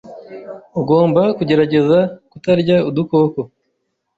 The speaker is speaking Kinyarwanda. Ugomba kugerageza kutarya udukoko.